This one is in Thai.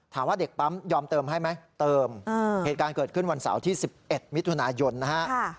เด็กปั๊มยอมเติมให้ไหมเติมเหตุการณ์เกิดขึ้นวันเสาร์ที่๑๑มิถุนายนนะฮะ